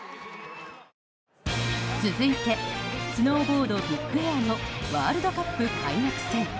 続いて、スノーボードビッグエアのワールドカップ開幕戦。